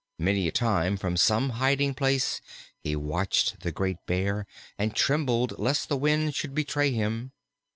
Many a time from some hiding place he watched the great Bear, and trembled lest the wind should betray him.